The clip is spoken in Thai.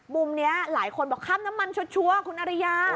มุมนี้หลายคนบอกค่ำน้ำมันชัวร์คุณอริยา